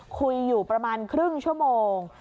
คุยอยู่ประมาณครึ่งชั่วโมง